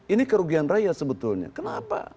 ini kerugian rakyat sebetulnya kenapa